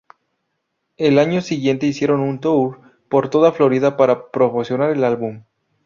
El año siguiente hicieron un tour por toda Florida para promocionar el álbum.